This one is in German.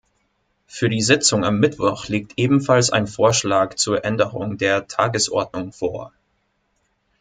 Für die Sitzung am Mittwoch liegt ebenfalls ein Vorschlag zur Änderung der Tagesordnung vor.